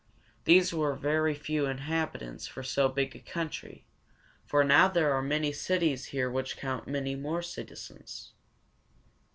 These were very few inhabitants for so big a country, for now there are many cities here which count many more citizens.